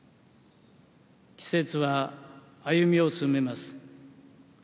季節は歩みを進めます。